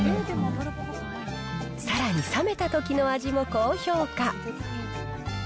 さらに、冷めたときの味も高評価。